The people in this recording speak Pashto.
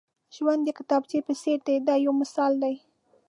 ژوند د کتابچې په څېر دی دا یو مثال دی.